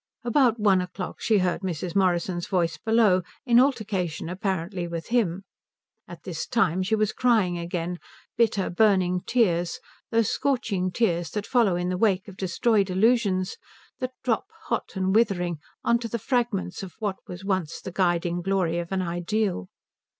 About one o'clock she heard Mrs. Morrison's voice below, in altercation apparently with him. At this time she was crying again; bitter, burning tears; those scorching tears that follow in the wake of destroyed illusions, that drop, hot and withering, on to the fragments of what was once the guiding glory of an ideal.